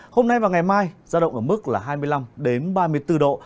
hôm nay và ngày mai giá động ở mức là hai mươi năm đến ba mươi bốn độ